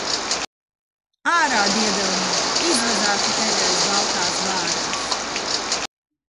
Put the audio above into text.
Ārā, diedelniek! Izvazāšu tevi aiz baltās bārdas.